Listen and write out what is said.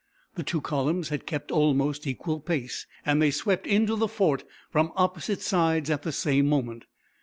The two columns had kept almost equal pace, and they swept into the fort from opposite sides at the same moment.